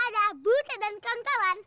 ada butet dan kawan kawan